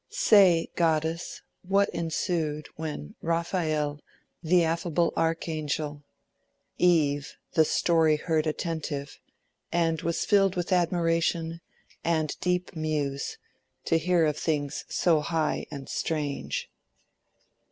"Say, goddess, what ensued, when Raphael, The affable archangel ... Eve The story heard attentive, and was filled With admiration, and deep muse, to hear Of things so high and strange."